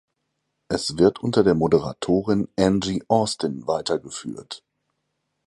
Es wird unter der Moderatorin Angie Austin weitergeführt.